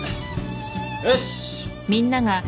よし。